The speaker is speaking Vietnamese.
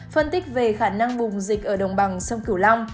phân tích về khả năng bùng dịch ở đồng bằng sông cửu long